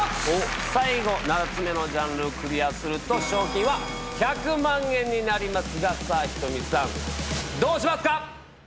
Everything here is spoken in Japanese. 最後７つ目のジャンルをクリアすると賞金は１００万円になりますがさぁｈｉｔｏｍｉさんどうしますか？